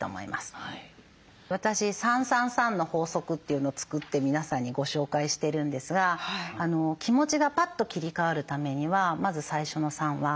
私「３３３の法則」というのを作って皆さんにご紹介してるんですが気持ちがパッと切り替わるためにはまず最初の３は「香り」です。